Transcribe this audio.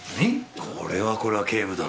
これはこれは警部殿。